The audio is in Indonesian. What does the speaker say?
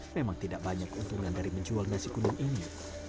memang tidak banyak keuntungan dari menjual nasi kudung ini